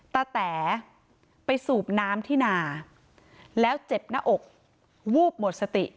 แต๋ไปสูบน้ำที่นาแล้วเจ็บหน้าอกวูบหมดสติ